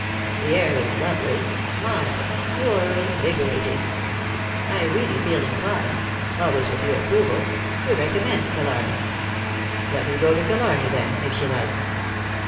The air is lovely — mild, pure, invigo rating. I really feel inclined — always with your approval — to recommend Killarney." " Let her go to Killarney, then, if she likes."